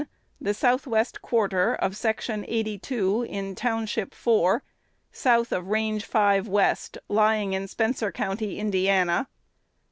The South West Quarter of Section 82, in Township 4, South of Range 5 West, lying in Spencer County, Indiana.